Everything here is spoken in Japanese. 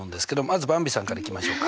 ずばんびさんからいきましょうか。